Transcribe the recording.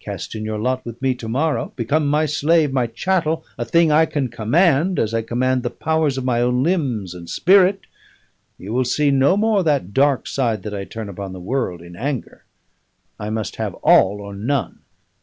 Cast in your lot with me to morrow, become my slave, my chattel, a thing I can command as I command the powers of my own limbs and spirit you will see no more that dark side that I turn upon the world in anger. I must have all or none.